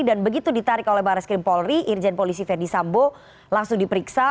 dan begitu ditarik oleh barai skrim polri irjen polisi verdisambo langsung diperiksa